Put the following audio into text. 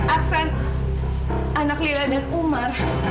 aksan anak lila dan umar